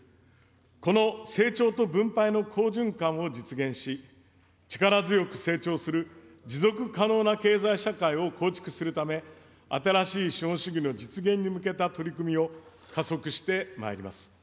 この成長と分配の好循環を実現し、力強く成長する持続可能な経済社会を構築するため、新しい資本主義の実現に向けた取り組みを加速してまいります。